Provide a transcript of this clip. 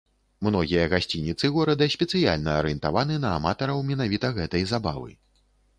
Многія гасцініцы горада спецыяльна арыентаваны на аматараў менавіта гэтай забавы.